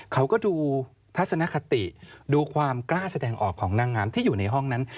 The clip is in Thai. เขาก็ดูทัศนคติดูความกล้าแสดงออกของนางงามที่อยู่ในห้องนั้น